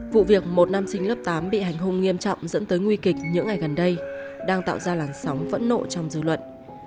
vụ việc một nam sinh lớp tám bị hành hung nghiêm trọng dẫn tới nguy kịch những ngày gần đây đang tạo ra làn sóng phẫn nộ trong dư luận